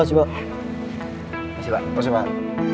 terima kasih pak